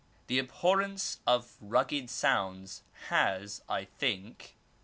This abhorrence of rugged sounds has, I think.